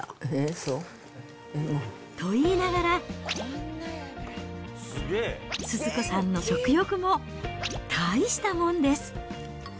そう？と言いながら、スズ子さんの食欲も大したもんです。